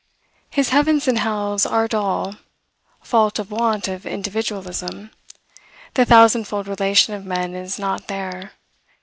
His heavens and hells are dull; fault of want of individualism. The thousand fold relation of men is not there.